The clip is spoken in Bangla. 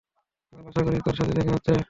কাল আশা করি তোর সাথে দেখা হচ্ছে!